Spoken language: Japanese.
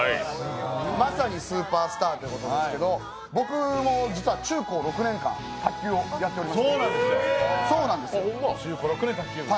まさにスーパースターということですけど僕も実は中高６年間卓球をやっておりまして。